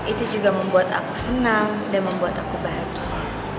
itu juga membuat aku senang dan membuat aku bahagia